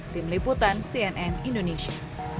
tim liputan cnn indonesia